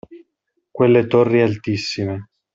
Quelle torri altissime…